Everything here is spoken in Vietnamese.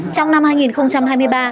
trong năm hai nghìn hai mươi ba